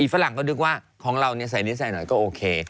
ฝรั่งก็นึกว่าของเราใส่นิสัยหน่อยก็โอเค